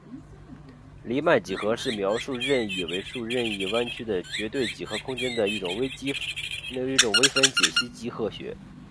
黎曼几何是描述任意维数任意弯曲的绝对几何空间的一种微分解析几何学。